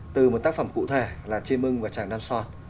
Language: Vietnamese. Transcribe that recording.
từ một tác phẩm cụ thể là chiêm ưng và tràng đăng son